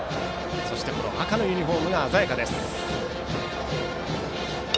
そして、赤のユニフォームが鮮やかです。